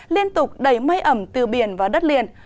liên tục đẩy mây ẩm từ biển vào đất liền